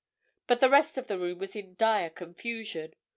But the rest of the room was in dire confusion.